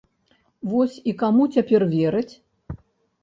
Вось і каму цяпер верыць?